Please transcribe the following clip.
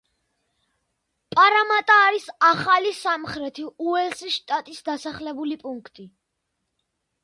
პარამატა არის ახალი სამხრეთი უელსის შტატის დასახლებული პუნქტი.